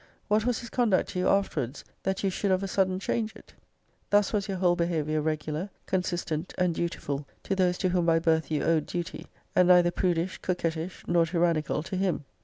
What was his conduct to you afterwards, that you should of a sudden change it? Thus was your whole behaviour regular, con sistent, and dutiful to those to whom by birth you owed duty; and neither prudish, coquettish, nor tyrannical to him.